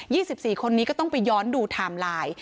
สิบสี่คนนี้ก็ต้องไปย้อนดูไทม์ไลน์